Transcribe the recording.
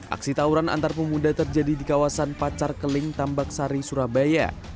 aksi tawuran antar pemuda terjadi di kawasan pacar keling tambak sari surabaya